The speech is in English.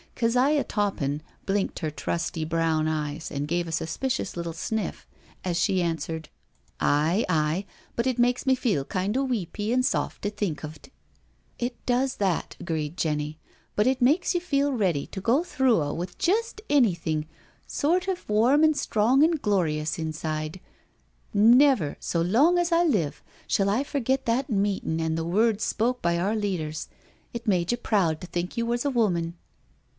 Keziah Toppin blinked her trusty brown eyes and gave a suspicious little sniff as she answered: 76 NO SURRENDER ''Aye, aye— but it makes me feel kind o' weepy an* soft to think of*t.*' " It does that/' agreed Jenny, " but it makes you feel ready to go threaw with jest anything— sort of warm an' strong an' glorious inside I Never, so long as I live, shall I forget that meeting an' the words spoke by our leaders— it made you proud to think you was a woman."